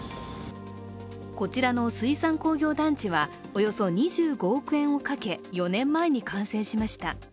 こちらの水産工業団地はおよそ２５億円をかけ４年前に完成しました。